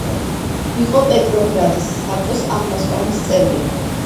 იყო პეტროგრადის საბჭოს აღმასკომის წევრი.